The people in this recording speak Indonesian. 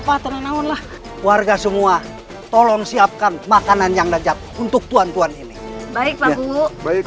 keluarga semua tolong siapkan makanan yang dajab untuk tuan tuan ini baik